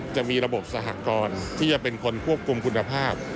จะมีระบบสหกรที่จะเป็นคนควบคุมคุณภาพ